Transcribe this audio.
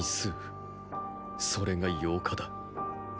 それが「八日」だ。